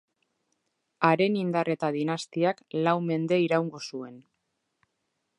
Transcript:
Haren indar eta dinastiak lau mende iraungo zuen.